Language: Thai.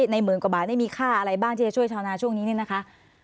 หมื่นกว่าบาทนี่มีค่าอะไรบ้างที่จะช่วยชาวนาช่วงนี้เนี่ยนะคะ